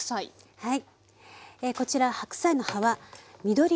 はい。